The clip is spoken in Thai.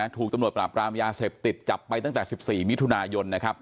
ถูกตำรวจปราบรามยาเสพติดจับไปตั้งแต่๑๔มิถุนายนนะครับ